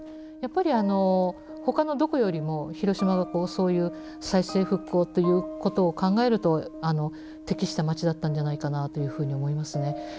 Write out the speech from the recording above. やっぱりほかのどこよりも広島がそういう再生復興ということを考えると適した街だったんじゃないかなというふうに思いますね。